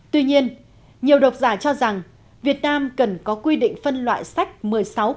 tuy nhiên nhiều đọc giả cho rằng việt nam cần có quy định phân loại sách một mươi sách